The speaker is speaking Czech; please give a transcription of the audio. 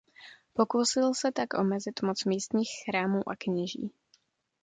Pokusil se tak omezit moc místních chrámů a kněží.